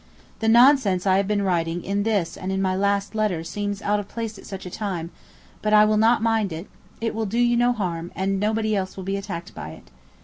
The nonsense I have been writing in this and in my last letter seems out of place at such a time, but I will not mind it; it will do you no harm, and nobody else will be attacked by it.